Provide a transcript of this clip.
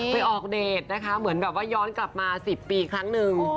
ไปออกเดทนะคะเหมือนแบบว่าย้อนกลับมา๑๐ปีครั้งหนึ่ง